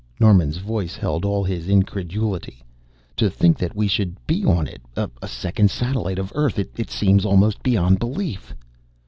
Norman's voice held all his incredulity. "To think that we should be on it a second satellite of Earth's it seems almost beyond belief."